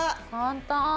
簡単！